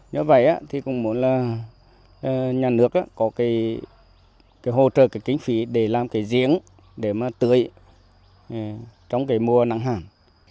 như vậy thì cũng muốn là nhà nước có cái hỗ trợ cái kinh phí để làm cái diễn để mà tưới trong cái mùa nắng hẳn